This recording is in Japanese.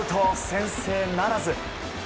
先制ならず。